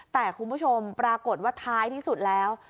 แต่คุณผู้ชมปรากฏว่าท้ายที่สุดแล้ว